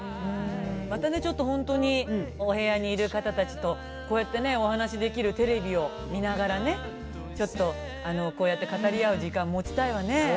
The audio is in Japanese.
またねちょっとほんとにお部屋にいる方たちとこうやってねお話しできるテレビを見ながらねちょっとこうやって語り合う時間持ちたいわね。